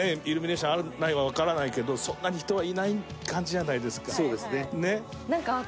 イルミネーションある、ないはわからないけどそんなに人はいない感じじゃないですか。